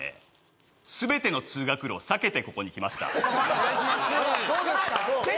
お願いします